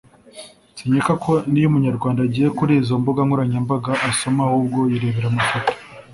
sinkeka ko niyo umunyarwanda agiye kuri izo mbuga nkoranyambaga asoma ahubwo yirebera amafoto